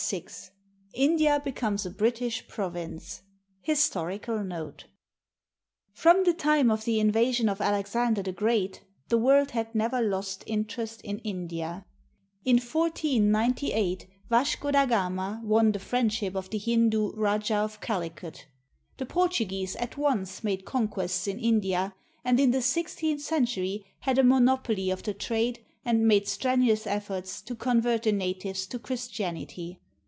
VI INDIA BECOMES A BRITISH PROVINCE HISTORICAL NOTE From the time of the invasion of Alexander the Great the world had never lost interest in India. In 1498, Vasco da Gama won the friendship of the Hindu Rajah of Calicut. The Portuguese at once made conquests in India, and in the sixteenth century had a monopoly of the trade and made strenuous efforts to convert the natives to Christianity.